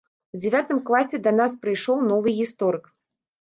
У дзявятым класе да нас прыйшоў новы гісторык.